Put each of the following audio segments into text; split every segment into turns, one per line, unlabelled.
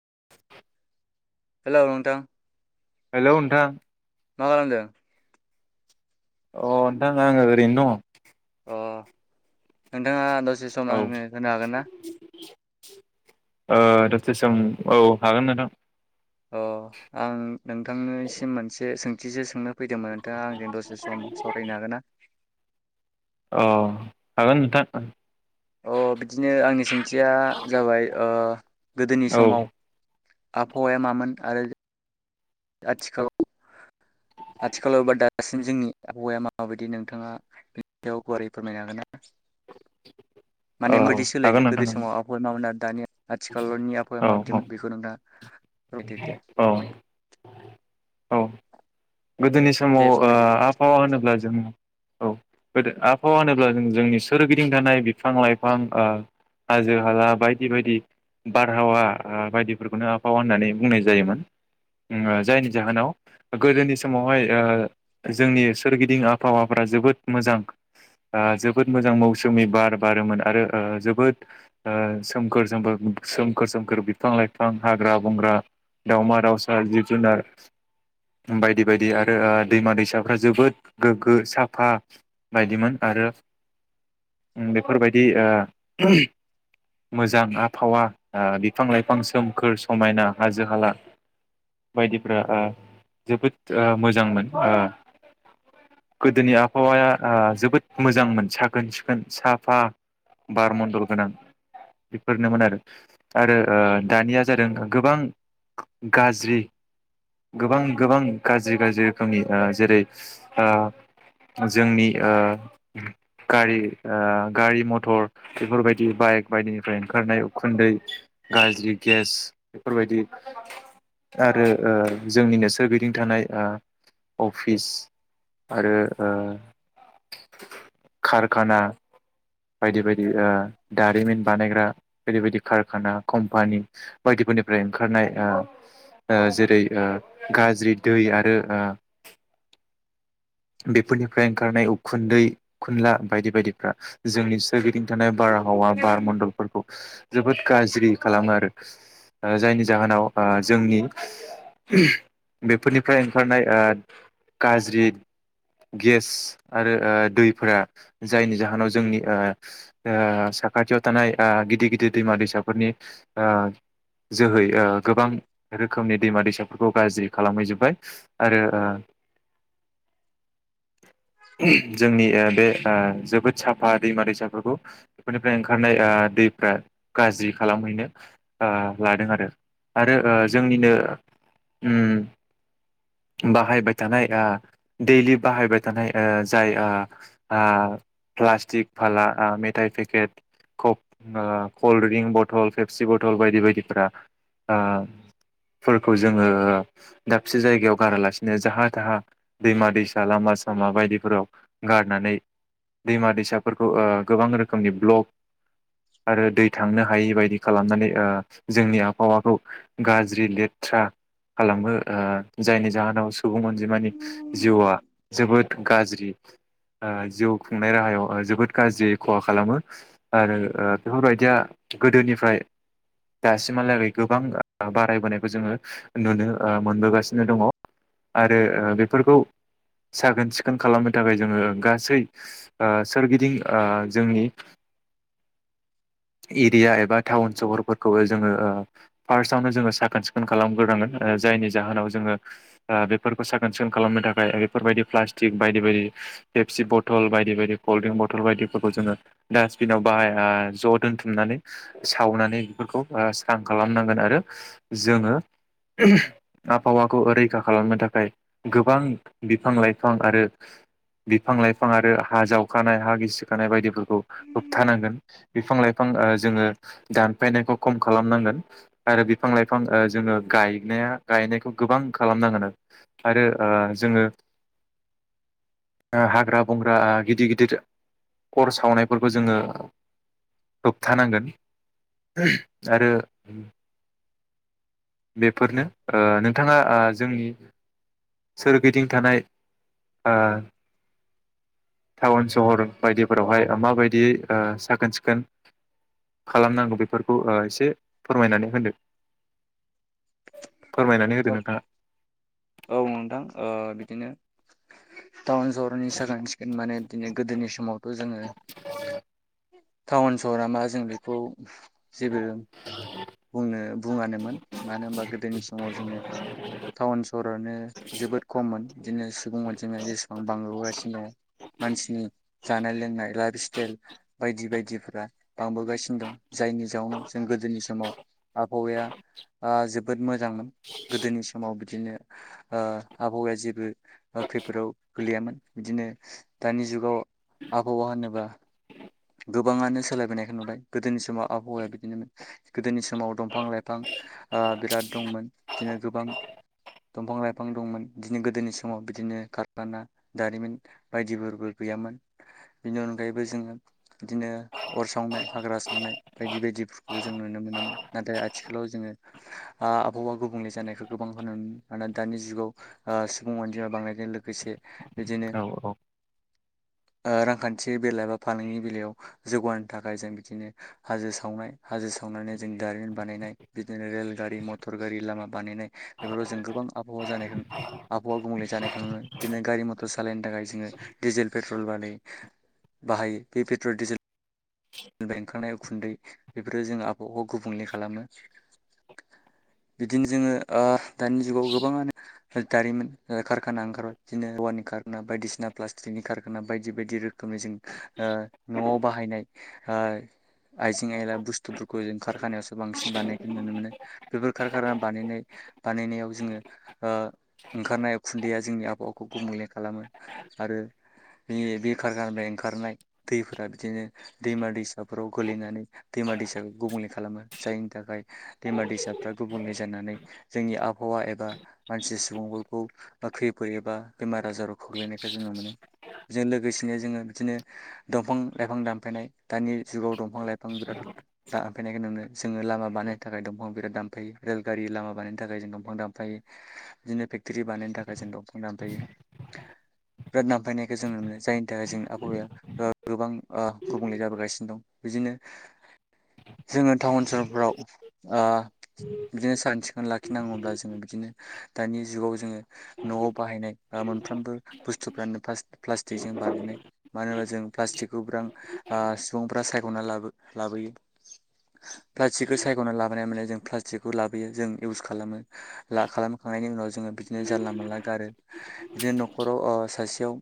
[inaudible]
Hello नोंथां।
Hello नोंथां।
मा खालामदों?
अ नोंथां आं ओरैनो दङ।
अ नोंथाङा द
औ ओ द से सम औ हागोन नोंथां।
अ आं नोंथांनोसिम मोनसे सों थिसो सोंनो फैदोंमोन नोंथाङा आंजों दसे सम सावरायनो हागोन ना?
औ हागोन नोंथां।
अ बिदिनो आंनि सोंथिया जाबाय ओ गोदोनि
औ
समाव- आबहावाया मामोन आरो आथिखालाव- आथिखालाव बा दासिम जोंनि आबहावाया माबायदि नोंथाङा बेनि सायाव गुवारै फोरमायनो हागोन ना?
औ
माने मादि सोलायखो
हागोन नोंथां
गोदो समाव आबहावाया मा मोन? दानिया आथिखालनि आबहावाया
औ
माबायदिमोन बेखौ नोंथाङा- फोरमायदो दे
औ औ गोदोनि
दे
समाव
फोरमायदो
आबहावा होनोब्ला जों- औ गोदो आबहावा होनोब्ला जों जोंनि सोरगिदिं थानाय बिफां लाइफां ओ हाजो हाला बायदि बायदि बारहावा ओ बायदिफोरखौनो आबहावा होननानै बुंनाय जायोमोन ओ जायनि जाहोनाव गोदोनि समावहाय ओ जोंनि सोरगिदिं आबहावाफोरा जोबोद मोजां जोबोद मोजां मौसुमि बार बारोमोन आरो ओ जोबोद ओ सोमखोर-सोमखोर- सोमखोर सोमखोर बिफां लाइफां हाग्रा बंग्रा दावमा दावसा जिब जुनार बाय- बे बायदि आरो ओ दैमा दैसाफ्रा जोबोद गोग्गो साफा बायदिमोन आरो बेफोरबायदि ओ मोजां आबहावा बिफां लाइफां सोमखोर समायना हाजो हाला बायदिफ्रा ओ जोबोद- ओ मोजांमोन ओ गोदोनि आबहावाया ओ जोबोद मोजांमोन साखोन सिखोन साफा बार मनडल गोनां बेफोरनोमोन आरो आरो ओ‌ दानिया जादों गोबां गाज्रि गोबां-गोबां गाज्रि गाज्रि रोखोमनि ओ जेरै ओ जोंनि ओ गारि- गारि मटर बेफोरबायदि बाइक बायदिनिफ्राय ओंखारनाय उखुन्दै गाज्रि गेस बेफोरबायदि आरो ओ जोंनिनो सोरगिदिं थानाय ओ अफिस आरो ओ कारखाना बायदि बायदि दारिमिन बानायग्रा बायदि बायदि कारखाना कम्पानि बायदिफोरनिफ्राय ओंखारनाय ओ जेरै ओ गाज्रि दै आरो ओ बेफोरनिफ्राय ओंखारनाय उखुन्दै खुनला बायदि बायदिफ्रा जोंनि सोरगिदिं थानाय बारहावा बार मनडलफोरखौ जोबोद गाज्रि खालामो आरो ओ जायनि जाहोनाव ओ जोंनि- बेफोरनिफ्राय ओंखारनाय गाज्रि गेस आरो दैफोरा जायनि जाहोनाव जोंनि साखाथियाव थानाय गिदिर गिदिर दैमा दैसाफोरनि जोहै गोबां रोखोमनि दैमा दैसाफोरखौ गाज्रि- खालामहैजोबबाय आरो जोंनि बे जोबोद साफा दैमा दैसाफोरखौ बेफोरनिफ्राय ओंखारनाय दैफ्रा गाज्रि खालामहैनो लादों आरो आरो जोंनिनो उम- बाहायबाय थानाय देलि बाहायबाय थानाय जाय प्लास्टिक फाला मेथाइ packet cold drink bottle Pepsi bottle बायदि बायदिफ्रा फोरफोरखौ जोङो- दाबसे जायगायाव गारालासिनो जाहा थाहा दैमा दैसा लामा सामा बायदिफोराव गारनानै दैमा दैसाफोरखौ गोबां रोखोमनि ब्लक आरो दै थांनो हायि बायदि खालामनानै जोंनि आबहावाखौ गाज्रि लेथ्रा खालामो जायनि जाहोनाव सुबुं अनजिमानि जिउआ जोबोद गाज्रि जिउ खुंनाय राहायाव जोबोद गाज्रि खहा खालामो आरो बेफोरबायदिया गोदोनिफ्राय दासिमहालागै गोबां बारायबोनायखौ जोङो- नुनो मोनबोगासिनो दङ। आरो बेफोरखौ साखोन सिखोन खालामनो थाखाय जोङो गासै सोरगिदिं जोंनि एरिया एबा टाउन सहरफोरखौ जोङो फार्स्टआवनो जोङो साखोन सिखोन खालामग्रोनांगोन जायनि जाहोनाव जोङो- बेफोरखौ साखोन सिखोन खालामनो थाखाय बेफोरबायदि प्लास्टिक बायदि बायदि पेपसि बथल बायदि बायदि कल्ड्रिंक बथल बायदिफोरखौ जोङो दासबिनाव बाहाय ज दोनथुमनानै सावनानै बेफोरखौ स्रां खालामनांगोन आरो जोङो आबहावाखौ ओरै- रैखा खालामनो थाखाय गोबां बिफां लाइफां आरो बिफां लाइफां आरो हा जावखानाय हा गिसिखानाय बायदिफोरखौ होबथानांगोन। बिफां लाइफां जोङो दानफायनायखौ खम खालामनांगोन आरो बिफां लाइफां जोङो गायनाया गायनायखौ गोबां- खालामनांगोन आरो जोङो हाग्रा बंग्रा गिदिर-गिदिर अर सावनायफोरखौ जोङो होबथानांगोन आरो बेफोरनो ओ नोंथाङा जोंनि सोरगिदिं थानाय ओ- टाउन सहर बायदिफोरावहाय माबायदियै ओ साखोन सिखोन खालामनांगौ बेफोरखौ एसे फोरमायनानै होनदो। फोरमायनानै
औ
होदो नोंथाङा।
औ नोंथां बिदिनो टाउन सहरनि साखोन सिखोन माने दिनै गोदोनि समावथ' जोङो- टाउन सहरा मा जों बेखौ जेबो- बुंनो बुङानोमोन मानो होनबा गोदोनि समाव जोङो टाउन सहरानो जोबोद खममोन। दिनै सुबुं अनजिमाया जेसे- बांबोगासिनो दङो- मानसिनि जानाय लोंनाय लाइफ स्टाइल बायदि बायदिफ्रा बांबोगासिनो दं जायनि जाउनाव जों गोदोनि समाव आबहावाया ओ जोबोद मोजांमोन गोदोनि समाव बिदिनो ओ आबहावाया जेबो खैफोदाव गोलैयामोन बिदिनो दानि जुगाव आबहावा होनोबा गोबाङानो सोलायबोनायखौ नुबाय गोदोनि समाव आबहावाया बिदिनो गोदोनि समाव दंफां लाइफां बिराद दंमोन बिदिनो गोबां दंफां लाइफां दंमोन बिदिनो गोदोनि समाव बिदिनो कारखाना दारिमिन बायदिफोरबो गैयामोन बिनि अनगायैबो जोङो बिदिनो अर सावनाय हाग्रा सावनाय बायदि बायदि फोरखौ जों नुनो मोनोमोनामोन नाथाय आथिखालाव जोङो आबहावा गुबुंले जानायखौ गोबांखौ नुन मोनो दानि जुगाव ओ सुबुं अनजिमा बांनायजों लोगोसे बिदिनो
औ औ
आ रांखान्थि बेला बा फालांगिनि बेलायाव जौगानो थाखाय जों बिदिनो हाजो सावनाय हाजो सावनानै जों दारिमिन बानायनाय बिदिनो रेलगारि मटर गारि लामा बानायनाय बेफोराव जों गोबां आबहावा जानाय आबहावा गुबुंले जानायखौ नुनो बिदिनो गारि मथर सालायनो थाखाय जोङो डिजेल पेट्रल बानाय बाहायो बे पेट्रल डिजेल निफ्राय ओंखारनाय उखुन्दै बेफोरो जोंङो आबहावाखौ गुबुंले खालामो बिदिनो जोंङो ओ दानि जुगाव गोबांआनो दारिमिन ओ खारखाना ओंखारबाय बिदिनो औवानि खारखाना बायदिसिना फ्लास्थिकनि खारखाना बायदि बायदि रोखोमै जों ओ नआव बाहायनाय ओ आइजें आयला बुस्थुफोरखौ जों कारखानायावसो बांसिन बानायनायखौ नुनो मोनो बेफोर खारखाना बानायनाय बानायनायाव जोङो ओ ओंखारनाय उखुन्दैया जोंनि आबहावाखौ गुबुंले खालामो आरो बे बे खारखानिफ्राय ओंखारनाय दैफोरा बिदिनो दैमा दैसाफोराव गोलैनानै दैमा दैसाखौ गुबुंले खालामो जायनि थाखाय दैमा दैसाफ्रा गुबुंले जानानै जोंनि आबहावा एबा मानसि सुबुंफोरखौ खैफोद एबा बेमार आजाराव खोग्लैनायखौ जोंङो मोनो। बेजों लोगोसेनो जोङो बिदिनो दंफां लाइफां दान फायनाय दानि जुगाव दंफां लाइफां बिराद दानफायनायखौ नुनो जोङो लामा बानायनो थाखाय दंफां बिराद दानफायो रेलगारि लामा बानायनो थाखाय जों दंफां दानफायो बिदिनो फेक्टरि बानायनो थाखाय जों दंफां दानफायो बिराद दानफायनायखौ जों नुनो जायनि थाखाय जों आबहावाया गोबां ओ गुबुंले जाबोगासिनो दं बिदिनो जोङो टाउन सहरफ्राव ओ बिदिनो सान सिखोन लाखिनांगौब्ला जोङो बिदिनो दानि जुगाव जोङो न'आव बाहायनाय दा मोनफ्रोमबो बुस्थुफ्रानो प्लास प्लास्टिकजों बानायनाय मानो होनबा जों प्लास्टिकखौ बिरा आ सुबुंफोरा सायखना ला लाबोयो प्लासथिकखौ सायखना लाबोनाय माने जों प्लासथिकखौ लाबोयो जों इउस खालामो ला खालाम खांनायनि उनाव जोंङो बिदिनो जाल्ला मोल्ला गारो बिदिनो नख'राव ओ सासेयाव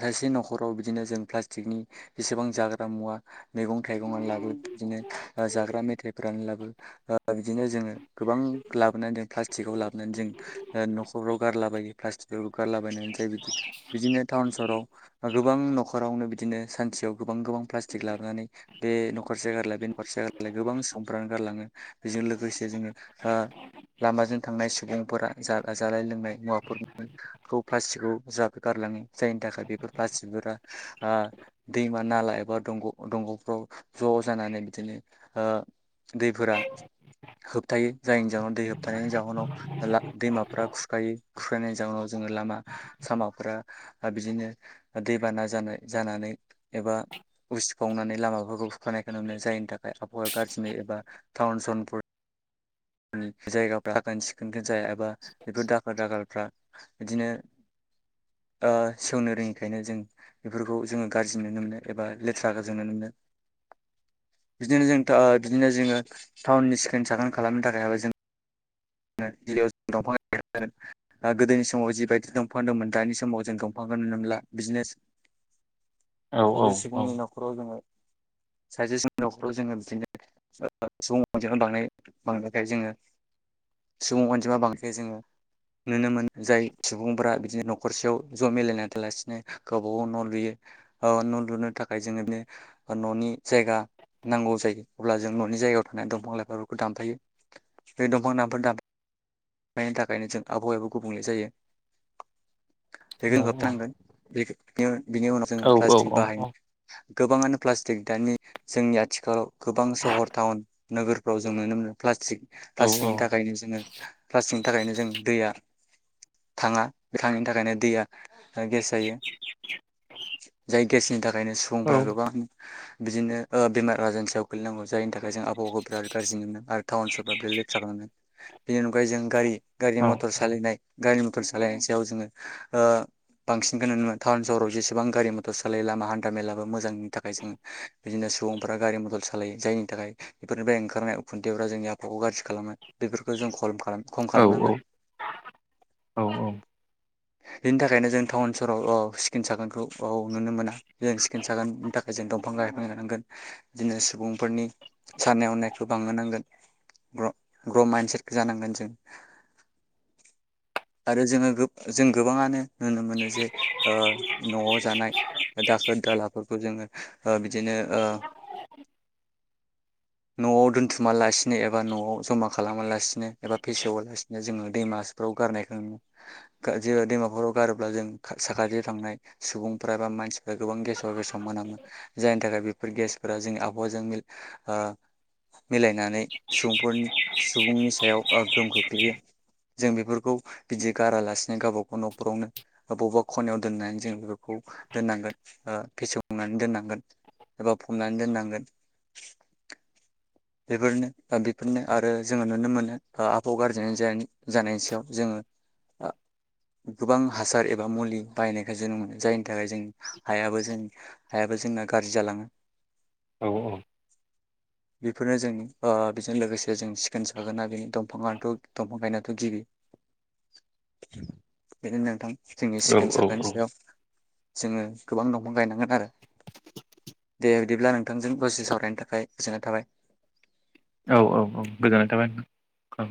खायसे नखराव बिदिनो जों प्लासथिकनि जसेबां जाग्रा मुवा मैगं थाइगंनो लाबो बिदिनो जाग्रा मेथाइफ्रानो लाबो बिदिनो जोङो गोबां लाबोनानै जों प्लास्टिकाव लाबोनानै जों न'खरफ्राव गारलाबायो प्लास्टिक गारलाबायनानै जाय बि बिदिनो टाउन सहराव गोबां सेयाव गोबां गोबां प्लास्टिक लाबोनानै बे न'खरसे गारलाय बे न'खरसे गारलाय गोबां सुबुंफोरानो गारलांङो बेजों लोगोसे जोंङो ओ लामाजों थांनाय सुबुंफोरा जा-जानाय लोंनाय मुवाफोरखौ प्लासटिकखौ जा गारलांङो जायनि थाखाय बेफोर प्लासथिकफोरा ओ दैमा नाला एबा दंग' दंग'फ्राव ज' जानानै बिदिनो ओ दैफोरा होबथायो जायनि जाहोनाव दै होबथानायनि जाहोनाव ला दैमाफ्रा खुरखायो खुरखायनायनि जाहोनाव जोङो लामा सामाफ्रा आ बिदिनो दैबाना जानाय जानानै एबा उसिफावनानै लामाफोरखौ थानायखौ नुनो जायनि थाखाय [unintelligible] एबा टाउन साउन फोर जायगाफ्रा साखोन सिखोन जाया एबा बेफोर दाखोल दाखालफ्रा बिदिनो ओ सेवनो रोङिखायनो जों बेफोरखौ जोङो गाज्रि नुनो मोनो एबा लेथ्राखौ जों नुनो मोनो बिदिनो जों टा बिदिनो जोङो टाउननि सिखोन साखोन खालामनो थाखायबो जों [unintelligible] ओ गोदोनि समाव जिबायदि दंफां दंमोन दानि समाव जों दंफांखौ नुनो मोनला बिजने
औ
सासे
औ
सुबुंनि न'खराव जोङो सासे [unintelligible] न'खराव जोङो [unintelligible] सुबुं अनजिमा बांनायनि बांनायनि थाखाय जोङो सुबुं अनजिमा बांनायनि थाखाय जों नुनो मोन जाय सुबुंफोरा बिदिनो न'खरसेयाव ज' मिलायना थायालासिनो गावबा गाव न' लुयो ओ न' लुनो थाखाय जोङोनो न'नि जायगा नांगौ जायो अब्ला जों न'नि जायगायाव थानाय दंफां लाइफांफोरखौ दानफायो बे दंफां दान फोर दाबफायनायनि थाखायनो जों आबहावायाबो गुबुंले जायो। [unintelligible]
औ
होबथानांगोन [unintelligible] बिनि उनाव जों
औ औ
प्लास्टिक
औ औ
बाहायनाय गोबाङानो प्लास्टिक दानि जोंनि आथिखालाव गोबां सहर टाउन नोगोरफ्राव जों नुनो मोनो प्लास्टिक
औ औ
प्लास्टिकनि थाखायनो जोङो प्लास्टिकनि थाखायनो जों दैया थाङा बे थांङिनि थाखायनो दैया गेस जायो जाय गेसनि थाख बेनो सुबुंफ्रा गोबां बिदिनो ओ बेमार आजारनि सायाव गोग्लैनांगौ जायनि थाखाय बेजों आबहावाखौ बिराद गाज्रि मोनो आरो टाउन सहरफ्रार लेथ्रा बानायो बेनि अनगायै जों गारि गारि मथर सालायनाय गारि मथर मटर सालायनायनि सायाव जोङो बांसिनखौनो नुनो मोनो टाउन सहराव जेसेबां गारि मटर सालायो लामा हान्था मेलाबो मोजांनि थाखाय जोङो बिदिनो सुबुंफोरा गारि मटर सालायो जायनि थाखाय बेफोरनिफ्राय ओंखारनाय उखुन्दैफोरा जोंनि आबहावाखौ गाज्रि खालामो बेफोरखौ जों खलब खम खालामनांगोन बिनि थाखायनो जों टाउन सहराव औ सिखोन साखोनखौ औ जों नुनो मोना जों सिखोन साखोननि थाखाय जों दंफां लाइफां गायफिनना जानांगोन बिदिनो सुबुंफोरनि साननाय हनायखौ बांहोनांगोन ग्र ग्र' माइन्दसेट जानांगोन जों आरो जोङो जों गोबाङानो नुनो मोनो जे न'आव जानाय दाखोर दालाफोरखौ जोङो ओ बि बिदिनो ओ न'आव दोनथुमालासि नो एबा न'आव जमा खालामालासिनो एबा फेसेवालासिनो जोङो दैमाफ्राव गारनायखौ नुयो जेराव दैमाफोराव गारोब्ला जों साखाथि थांनाय सुबुंफ्रा एबा मानसि गोबां गेसाव गेसाव मोनामो जायनि थाखाय डे बे गेसफोरा जोंनि आबहावाजों मिल ओ मिलायनानै सुबुंफोरनि सुबुंनि सायाव गोहोम खोख्लैयो। जों बेफोरखौ बिदि गारालासिनो गावबाागाव न'खरावनो बबेबा खनायाव दोननानै जों बेफोरखौ दोननांगोन फेसेवनानै दोननांगोन एबा फमनानै दोननांगोन बेफोरनो बा बेफोरनो आरो जोङो नुनो मोनो आबहावा गाज्रि जानायनि जेन सायाव जोङो गोबां हासार एबा मुलि बायनायखाय जों न मोनो जायनि थाखाय जों हायाबो जों हायाबो जोंना गाज्रि जालाङो।
औ, औ।
बेफोरनो जोंनि ओ बेजों लोगोसे जों सिखोन जागोना बेनि दंफाङथ' दंफां गायनायाथ' गिबि बेनो नोंथां। जोंनि सिखोन साखोन सायाव जोङो गोबां दंफां गायनांगोन आरो दे बिदिब्ला नोंथांजों दसे सावरायनो थाखाय गोजोननाय थाबाय।
औ औ औ गोजोननाय थाबाय नोंथां औ।